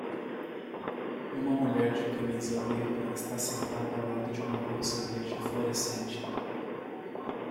Uma mulher de camisa preta está sentada ao lado de uma bolsa verde fluorescente.